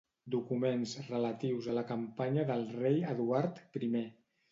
Documents relatius a la campanya del rei Eduard I.